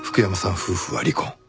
夫婦は離婚。